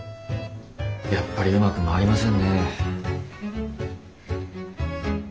やっぱりうまく回りませんね。